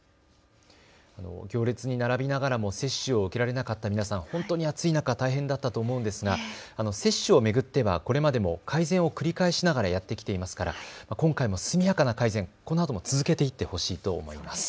行列に並びながらも接種を受けられなかった皆さん、ほんとに暑い中大変だったと思うんですが、接種を巡ってはこれまでも改善を繰り返しながらやってきていますから今回も速やかな改善、このあとも続けていってほしいと思います。